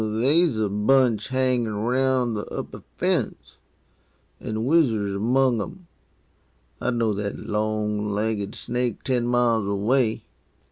"They's a bunch hangin' around the upper fence, an' Whizzer's among 'em. I'd know that long legged snake ten miles away."